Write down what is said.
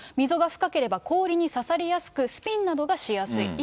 溝が深ければ、氷に刺さりやすく、スピンなどがしやすい。